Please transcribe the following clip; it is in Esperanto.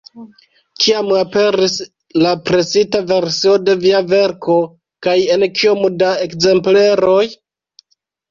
Kiam aperis la presita versio de via verko, kaj en kiom da ekzempleroj?